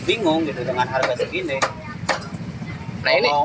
bingung gitu dengan harga segini